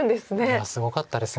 いやすごかったです。